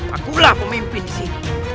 akulah pemimpin disini